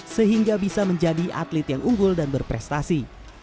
sehingga bisa menjadi atlet yang unggul dan berprestasi